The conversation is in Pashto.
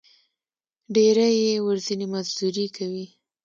ډېری یې ورځنی مزدوري کوي.